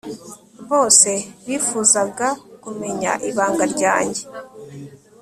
bose bifuzaga kumenya ibanga ryanjye